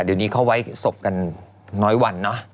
เดี๋ยวนี้เขาไว้ศพกันน้อยวันเนอะ